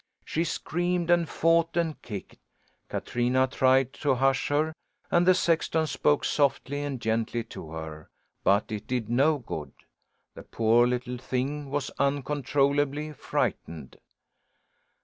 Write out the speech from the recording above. She screamed and fought and kicked. Katrina tried to hush her and the sexton spoke softly and gently to her; but it did no good. The poor little thing was uncontrollably frightened.